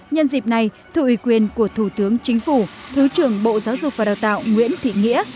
nhân dịp này thượng ủy quyền của thủ tướng chính phủ thứ trưởng bộ giáo dục và đào tạo nguyễn thị nghĩa